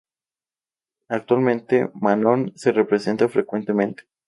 Actualmente, "Manon" se representa frecuentemente.